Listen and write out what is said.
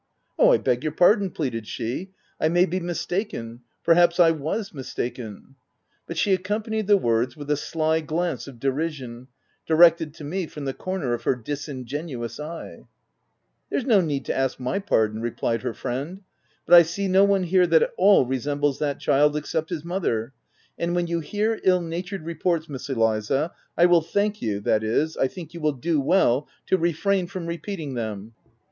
" Oh, I beg your pardon 1" pleaded she, " I may be mistaken — perhaps I was mistaken/' But she accompanied the words with a sly glance of derision directed to me from the corner of her disingenuous eye, "There's no need to ask my pardon," 5 replied her friend ;" but I see no one here that at all resembles that child, except his mother ; and 160 THE TENANT when you hear ill natured reports, Miss Eliza, I will thank you — that is, I think you will do well to refrain from repeating them.